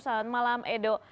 selamat malam edo